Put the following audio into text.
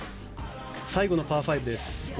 最後のパー５です。